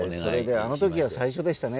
あの時が最初でしたね。